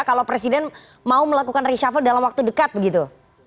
kalau presiden mau melakukan reshuffle dalam waktu dekat begitu